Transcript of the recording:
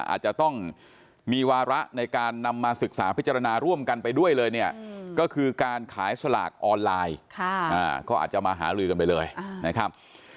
อาจจะต้องมีวาระในการนำมาศึกษาพิจารณาร่วมกันไปด้วยเลยเนี่ยก็คือการขายสลากออนไลน์ก็อาจจะมาหาลือกันไปเลยนะครับ